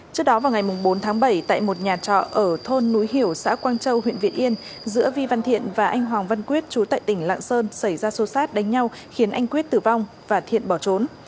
trước đó vào ngày bốn tháng bảy tại một nhà trọ ở thôn núi hiểu xã quang châu huyện việt yên giữa vi văn thiện và anh hoàng văn quyết chú tại tỉnh lạng sơn xảy ra xô xát đánh nhau khiến anh quyết tử vong và thiện bỏ trốn